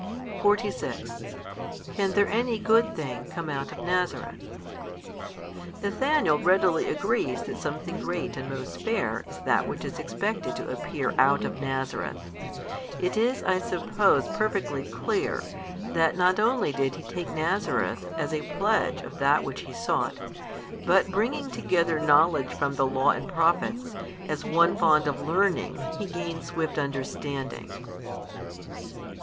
46 Can there any good thing come out of Nazareth? Nathanael readily agrees that something great and most fair is that which is expected to appear out of Nazareth 5. It is, I suppose, perfectly clear, that not only did he take Nazareth as a pledge of that which he sought, but bringing together knowledge from the law and Prophets, as one fond of learning he gained swift understanding.